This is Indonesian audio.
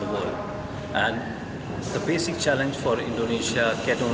dan pertanyaan dasar untuk panggilan kucing di indonesia adalah pendidikan